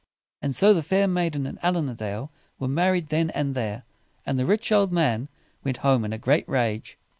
And so the fair maiden and Allin a Dale were married then and there, and the rich old man went home in a great rage.